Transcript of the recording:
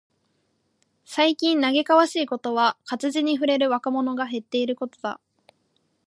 最近嘆かわしいことは、活字に触れる若者が減っていることだ。